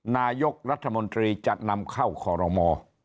นายกรัฐมนตรีจะนำเข้าคอรมอ